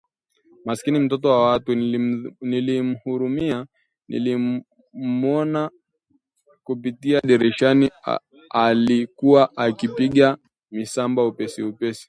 Maskini mtoto wa watu! Nilimhurumia nilipomwona kupitia dirishani- alikuwa akipiga misamba upesi upesi